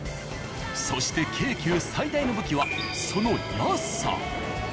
そして京急最大の武器はその安さ。